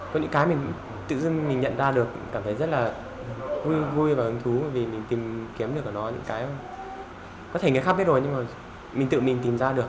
có những cái mình tự dưng mình nhận ra được cảm thấy rất là vui vui và hứng thú vì mình tìm kiếm được ở đó những cái mà có thể người khác biết rồi nhưng mà mình tự mình tìm ra được